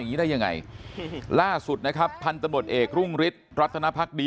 งี้ได้ยังไงล่าสุดนะครับพันธบทเอกรุ่งฤทธิ์รัตนภักดี